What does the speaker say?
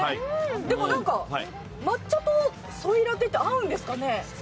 でも、抹茶とソイラテって合うんですかね？